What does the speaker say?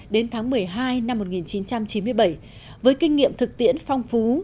đến tháng một mươi hai năm một nghìn chín trăm chín mươi bảy với kinh nghiệm thực tiễn phong phú